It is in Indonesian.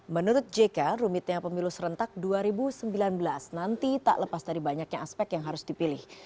menurut jk rumitnya pemilu serentak dua ribu sembilan belas nanti tak lepas dari banyaknya aspek yang harus dipilih